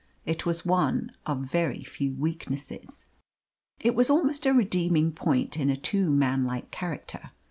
It was one of very few weaknesses. It was almost a redeeming point in a too man like character.